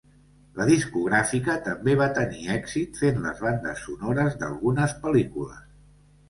La discogràfica també va tenir èxit fent les bandes sonores d'algunes pel·lícules.